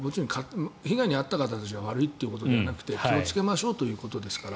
被害に遭った人たちが悪いということではなくて気をつけましょうということですから。